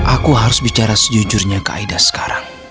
aku harus bicara sejujurnya ke aida sekarang